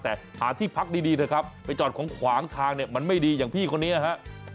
แต่หาที่พักดีเถอะครับไปจอดของขวางทางเนี่ยมันไม่ดีอย่างพี่คนนี้นะฮะ